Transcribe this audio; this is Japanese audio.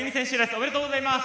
おめでとうございます。